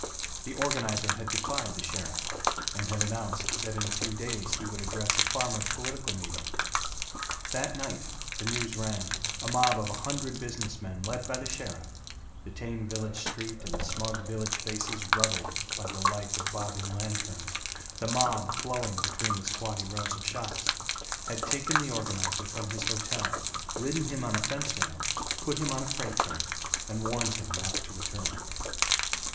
The organizer had defied the sheriff, and announced that in a few days he would address a farmers' political meeting. That night, the news ran, a mob of a hundred business men led by the sheriff the tame village street and the smug village faces ruddled by the light of bobbing lanterns, the mob flowing between the squatty rows of shops had taken the organizer from his hotel, ridden him on a fence rail, put him on a freight train, and warned him not to return.